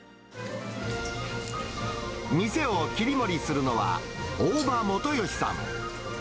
店を切り盛りするのは、大場もとよしさん。